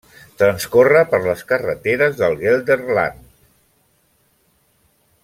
Transcorre per les carreteres del Gelderland.